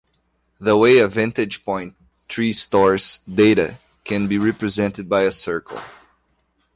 The way a vantage-point tree stores data can be represented by a circle.